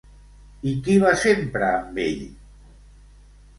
I qui va sempre amb ell?